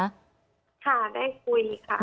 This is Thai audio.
ค่ะได้คุยค่ะ